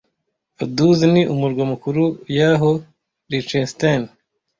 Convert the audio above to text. Vaduz ni umurwa mukuru yaho Liechtenstein